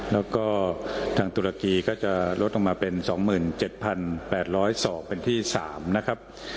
แล้วก็ทางตุรกีก็จะลดลงมาเป็น๒๗๘๐๒เป็นที่๓นะครับ